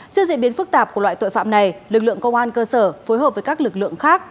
trước diễn biến phức tạp của loại tội phạm này lực lượng công an cơ sở phối hợp với các lực lượng khác